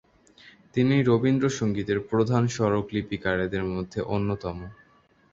তিনি রবীন্দ্রসংগীতের প্রধান স্বরলিপিকারেদের মধ্যে অন্যতম।